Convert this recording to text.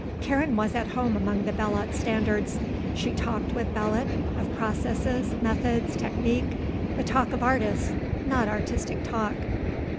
Karen was at home among the Belot's standards. She talked with Belot, of processes, methods, technique, the talk of artists, not artistic talk.